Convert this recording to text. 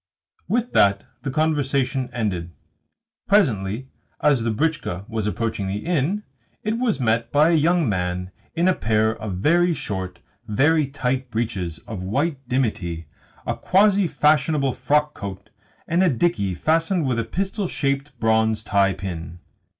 With that the conversation ended. Presently, as the britchka was approaching the inn, it was met by a young man in a pair of very short, very tight breeches of white dimity, a quasi fashionable frockcoat, and a dickey fastened with a pistol shaped bronze tie pin.